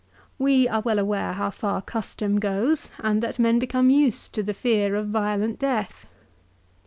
We are well aware how far custom goes, and that men became used to the fear of violent death.